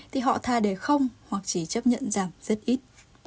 thì họ tha để không hoặc chỉ chấp nhận giảm rất ít